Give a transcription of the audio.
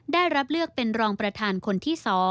ได้รับเลือกเป็นรองประธานคนที่๒